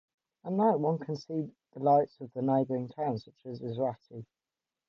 At night one can see the lights of the neighboring towns such as Itarsi.